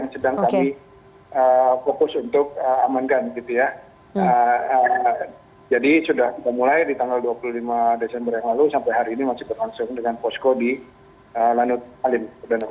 sampai hari ini masih berlangsung dengan posko di lanut kalim